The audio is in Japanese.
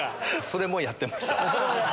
それもやってました。